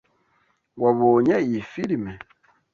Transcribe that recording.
Wabonye iyi firime?